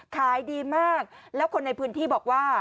ขายดีมากแล้วคนในพื้นที่บอกว่า